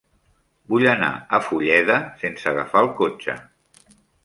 Vull anar a Fulleda sense agafar el cotxe.